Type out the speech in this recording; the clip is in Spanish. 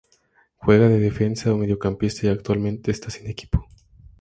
Juega de defensa o mediocampista y actualmente está sin equipo.